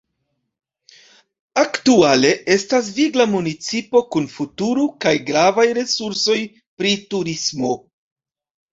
Aktuale estas vigla municipo kun futuro kaj gravaj resursoj pri turismo.